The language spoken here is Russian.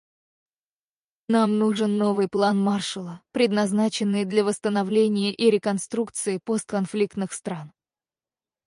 Нам нужен новый план Маршалла, предназначенный для восстановления и реконструкции постконфликтных стран.